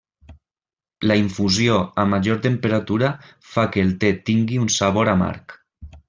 La infusió a major temperatura fa que el te tingui un sabor amarg.